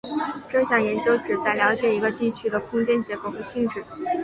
这项研究旨在了解一个地区的空间结构和性质。